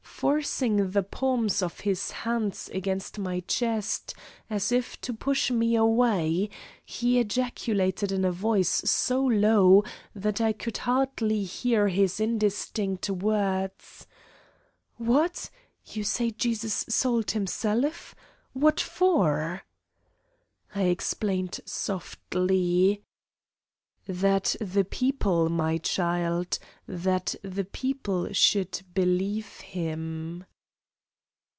Forcing the palms of his hands against my chest, as if to push me away, he ejaculated in a voice so low that I could hardly hear his indistinct words: "What? You say Jesus sold Himself? What for?" I explained softly: "That the people, my child, that the people should believe Him."